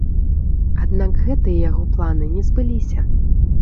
Аднак гэтыя яго планы не збыліся.